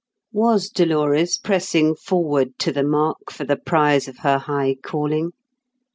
Was Dolores pressing forward to the mark for the prize of her high calling?